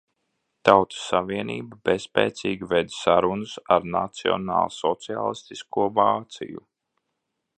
Tautas savienība bezspēcīgi veda sarunas ar nacionālsociālistisko Vāciju.